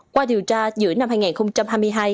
qua điều tra giữa năm hai nghìn hai mươi hai